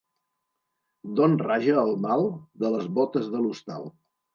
D'on raja el mal? De les botes de l'hostal.